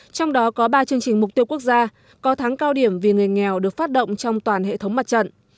trong đó có ba chương trình mục tiêu quốc gia có thắng cao điểm vì người nghèo được phát động trong toàn hệ thống mặt trận